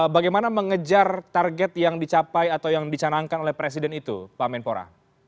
bagaimana mengejar target yang dicapai atau yang dicanangkan oleh presiden itu pak menpora